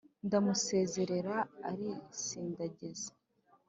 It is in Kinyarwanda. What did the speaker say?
ndamusezerera arisindagiza.